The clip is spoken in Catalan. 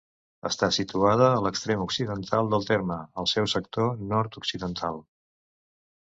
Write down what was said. Està situada a l'extrem occidental del terme, al seu sector nord-occidental.